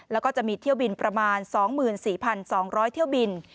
แล้วก็จะมีเที่ยวบินประมาณ๒๔๒๐๐เที่ยวบิน